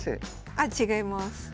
あ違います。